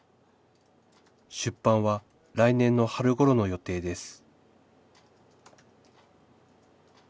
出版は来年の春ごろの予定です